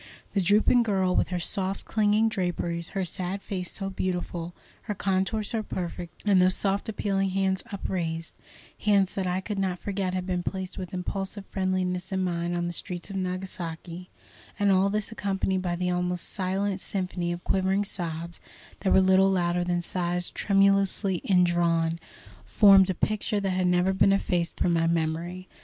The drooping girl, with her soft, clinging draperies, her sad face so beautiful, her contour so perfect, and those soft appealing hands upraised, hands that I could not forget had been placed with impulsive friendliness in mine on the streets of Nagasaki, and all this accompanied by the almost silent symphony of quivering sobs that were little louder than sighs tremulously indrawn, formed a picture that has never been effaced from my memory.